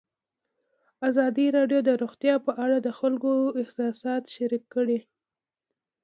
ازادي راډیو د روغتیا په اړه د خلکو احساسات شریک کړي.